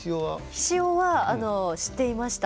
ひしおは知っていました。